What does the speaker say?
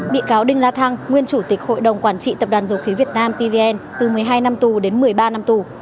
bị cáo đinh la thăng nguyên chủ tịch hội đồng quản trị tập đoàn dầu khí việt nam pvn từ một mươi hai năm tù đến một mươi ba năm tù